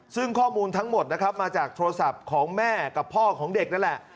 ซึ่งข้อมูลทั้งหมดนะครับมาจากโทรศัพท์ของแม่กับพ่อของเด็กนั่นแหละ